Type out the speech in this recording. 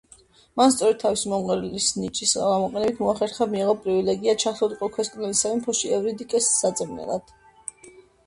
მან სწორედ თავისი მომღერალის ნიჭის გამოყენებით მოახერხა მიეღო პრივილეგია ჩასულიყო ქვესკნელის სამეფოში ევრიდიკეს საძებნელად.